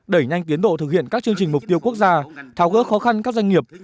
đẩy nhanh tiến độ thực hiện các chương trình mục tiêu quốc gia tháo gỡ khó khăn các doanh nghiệp